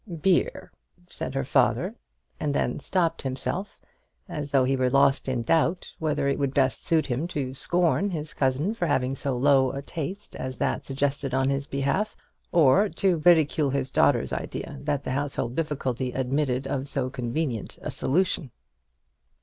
"Beer!" said her father, and then stopped himself, as though he were lost in doubt whether it would best suit him to scorn his cousin for having so low a taste as that suggested on his behalf, or to ridicule his daughter's idea that the household difficulty admitted of so convenient a solution.